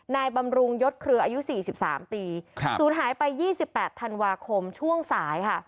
นายบำรุงยศครืออายุสี่สิบสามปีครับสูญหายไปยี่สิบแปดธันวาคมช่วงสายค่ะ